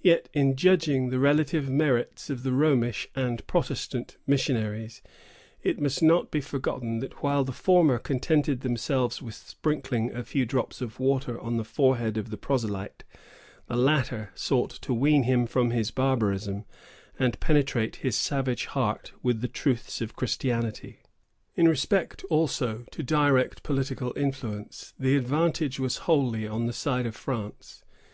Yet, in judging the relative merits of the Romish and Protestant missionaries, it must not be forgotten that while the former contented themselves with sprinkling a few drops of water on the forehead of the proselyte, the latter sought to wean him from his barbarism and penetrate his savage heart with the truths of Christianity. In respect, also, to direct political influence, the advantage was wholly on the side of France.